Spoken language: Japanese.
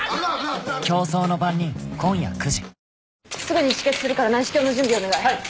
すぐに止血するから内視鏡の準備お願い。